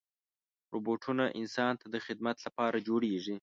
روبوټونه انسان ته د خدمت لپاره جوړېږي.